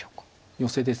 ヨセです。